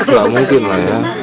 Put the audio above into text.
nggak mungkin lah ya